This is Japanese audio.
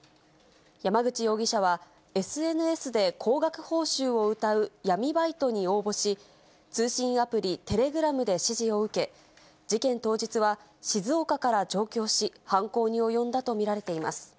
山口容疑者はＳＮＳで高額報酬をうたう闇バイトに応募し、通信アプリ、テレグラムで指示を受け、事件当日は静岡から上京し、犯行に及んだと見られています。